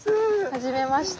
はじめまして。